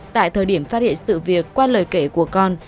tại thời điểm phát hiện sự việc qua lời kể của con